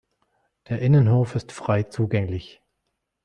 Der Innenhof ist frei zugänglich.